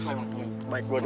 emang baik gua du